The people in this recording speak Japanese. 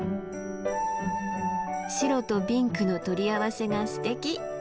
白とピンクの取り合わせがすてき！